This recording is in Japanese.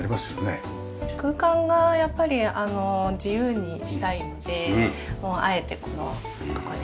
空間がやっぱり自由にしたいんであえてこのここで。